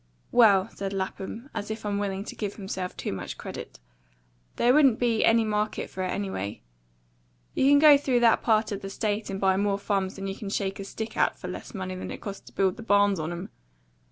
Well," said Lapham, as if unwilling to give himself too much credit, "there wouldn't been any market for it, anyway. You can go through that part of the State and buy more farms than you can shake a stick at for less money than it cost to build the barns on 'em.